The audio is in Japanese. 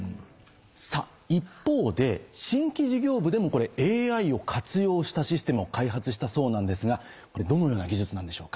一方で新規事業部でもＡＩを活用したシステムを開発したそうなんですがどのような技術なんでしょうか？